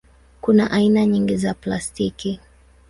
Kuna aina nyingi za plastiki.